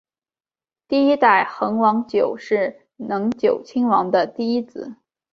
第一代恒久王是能久亲王的第一子。